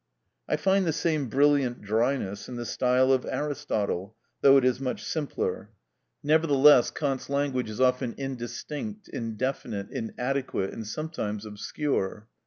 I find the same brilliant dryness in the style of Aristotle, though it is much simpler. Nevertheless Kant's language is often indistinct, indefinite, inadequate, and sometimes obscure.